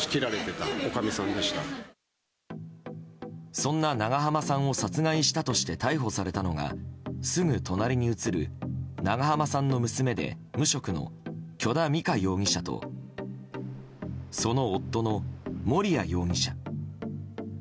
そんな長濱さんを殺害したとして逮捕されたのがすぐ隣に写る長濱さんの娘で無職の許田美香容疑者とその夫の盛哉容疑者。